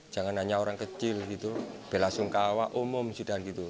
jangan hanya orang kecil gitu bela sungkawa umum sudah gitu